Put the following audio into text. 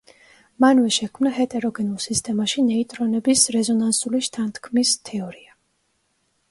მანვე შექმნა ჰეტეროგენულ სისტემაში ნეიტრონების რეზონანსული შთანთქმის თეორია.